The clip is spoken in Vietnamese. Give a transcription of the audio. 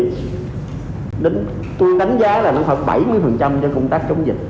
tôi đánh giá là nó khoảng bảy mươi cho công tác chống dịch